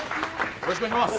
よろしくお願いします。